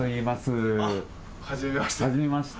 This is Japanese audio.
はじめまして。